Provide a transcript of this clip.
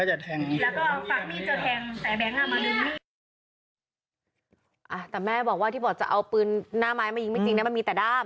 แต่แม่บอกว่าที่บอกจะเอาปืนหน้าไม้มายิงไม่จริงนะมันมีแต่ด้าม